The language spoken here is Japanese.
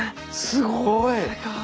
すごい！